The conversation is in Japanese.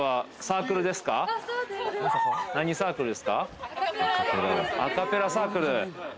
アカペラサークル。